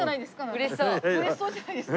嬉しそうじゃないですか。